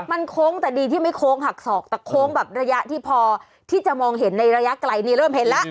มันโค้งแต่ดีที่ไม่โค้งหักศอกแต่โค้งแบบระยะที่พอที่จะมองเห็นในระยะไกลนี่เริ่มเห็นแล้ว